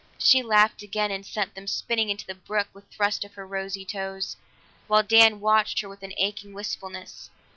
She laughed again, and sent them spinning into the brook with thrusts of her rosy toes, while Dan watched her with an aching wistfulness.